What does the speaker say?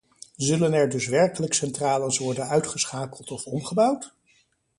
Zullen er dus werkelijk centrales worden uitgeschakeld of omgebouwd?